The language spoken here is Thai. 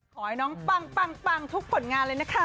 ขอให้น้องปังทุกผลงานเลยนะคะ